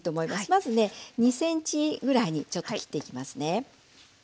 まずね２センチぐらいにちょっと切っていきますね。